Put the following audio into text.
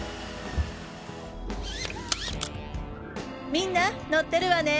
みんな乗ってるわね？